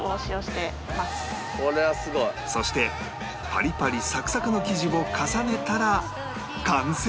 そしてパリパリサクサクの生地を重ねたら完成